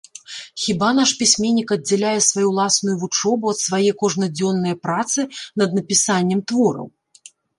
Хіба наш пісьменнік аддзяляе сваю ўласную вучобу ад свае кожнадзённае працы над напісаннем твораў?